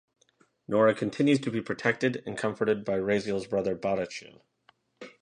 Nora continues to be protected and comforted by Raziel's 'brother' Barachiel.